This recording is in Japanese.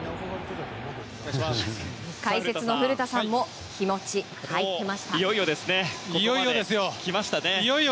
解説の古田さんも気持ち入ってました！